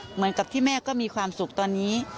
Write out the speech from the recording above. เหมือนกับที่แม่ก็มีความสุขตอนนี้